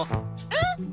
えっ？